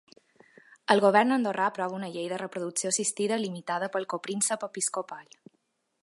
El govern andorrà aprova una llei de reproducció assistida limitada pel copríncep episcopal.